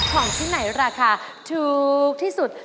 ของที่ไหนราคาถูกที่สุด